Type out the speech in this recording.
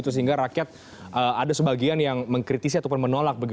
sehingga rakyat ada sebagian yang mengkritisi ataupun menolak